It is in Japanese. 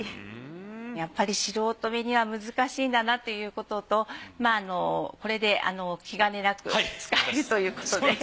やっぱり素人目には難しいんだなということとこれで気兼ねなく使えるということで。